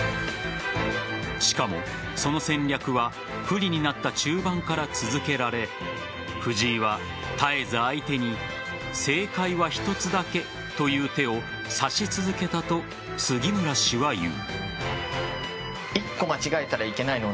しかも、その戦略は不利になった中盤から続けられ藤井は、絶えず相手に正解は一つだけという手を指し続けたと杉村氏は言う。